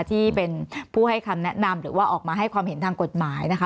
ที่เป็นผู้ให้คำแนะนำหรือว่าออกมาให้ความเห็นทางกฎหมายนะคะ